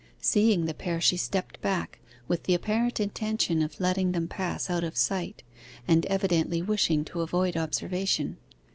Seeing the pair she stepped back, with the apparent intention of letting them pass out of sight, and evidently wishing to avoid observation.